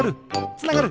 つながる！